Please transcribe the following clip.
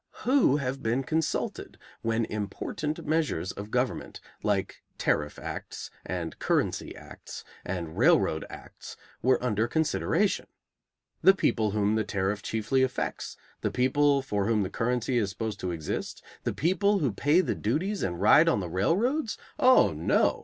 Who have been consulted when important measures of government, like tariff acts, and currency acts, and railroad acts, were under consideration? The people whom the tariff chiefly affects, the people for whom the currency is supposed to exist, the people who pay the duties and ride on the railroads? Oh, no!